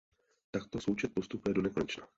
Takto součet postupuje do nekonečna.